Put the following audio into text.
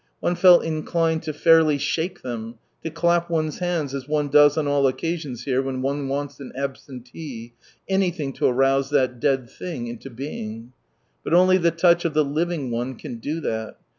One felt inclined to fairly shake them, to clap one's hands as one does on all occasions here when one wants an absentee — anything to arouse that dead thing into being. But only the touch of the Living One can do that.